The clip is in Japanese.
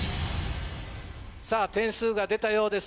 点数が出たようです